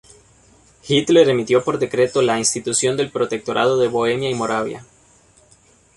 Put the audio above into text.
Hitler emitió por decreto la institución del Protectorado de Bohemia y Moravia.